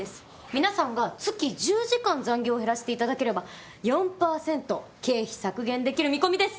皆さんが月１０時間残業を減らしていただければ４％経費削減できる見込みです。